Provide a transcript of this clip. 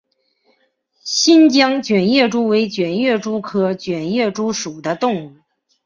新疆卷叶蛛为卷叶蛛科卷叶蛛属的动物。